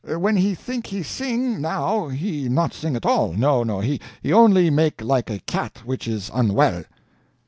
When he think he sing, now, he not sing at all, no, he only make like a cat which is unwell."